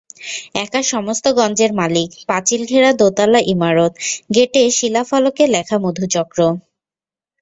একা সমস্ত গঞ্জের মালিক, পাঁচিল-ঘেরা দোতলা ইমারত, গেটে শিলাফলকে লেখা মধুচক্র।